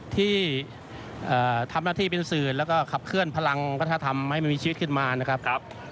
ที่ทำหน้าที่เป็นสื่อแล้วก็ขับเคลื่อนพลังวัฒนธรรมให้มันมีชีวิตขึ้นมานะครับ